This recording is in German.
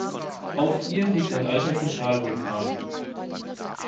Auf ihr liegt ein alter Zentralvulkan.